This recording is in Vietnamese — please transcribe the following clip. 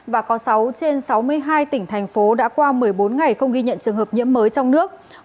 và có sáu trên sáu mươi hai tỉnh thành phố đã qua một mươi bốn ngày không ghi nhận trường hợp nhiễm mới trong nước